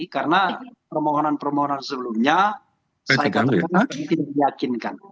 karena permohonan permohonan sebelumnya saya tidak yakin